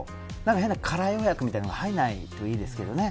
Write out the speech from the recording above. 変な空予約みたいなのが入らないといいですけどね。